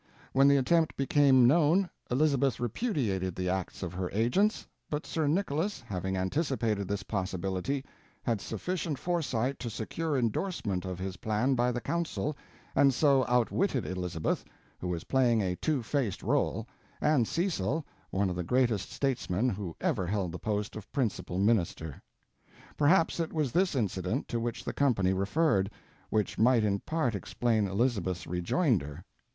When the attempt became known, Elizabeth repudiated the acts of her agents, but Sir Nicholas, having anticipated this possibility, had sufficient foresight to secure endorsement of his plan by the Council, and so outwitted Elizabeth, who was playing a two faced role, and Cecil, one of the greatest statesmen who ever held the post of principal minister. Perhaps it was this incident to which the company referred, which might in part explain Elizabeth's rejoinder.